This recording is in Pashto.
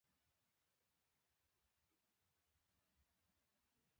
کله چې د جغرافیې فرضیه توپیر نه شي په ډاګه کولی.